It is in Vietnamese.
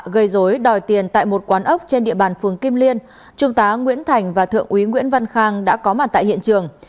gây dối đòi tiền tại một quán ốc trên địa bàn phường kim liên trung tá nguyễn thành và thượng úy nguyễn văn khang đã có mặt tại hiện trường